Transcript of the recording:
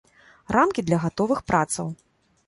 Рамкі для гатовых працаў.